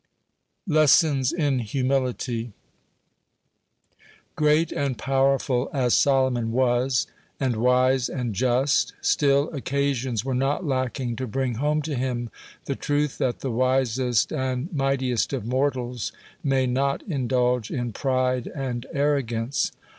(76) LESSONS IN HUMILITY Great and powerful as Solomon was, and wise and just, still occasions were not lacking to bring home to him the truth that the wisest and mightiest of mortals may not indulge in pride and arrogance.